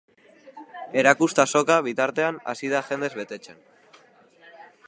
Erakustazoka, bitartean, hasi da jendez betetzen.